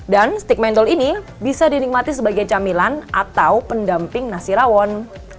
dan stik mendol ini bisa dinikmati sebagai camilan atau pendamping nasi rawon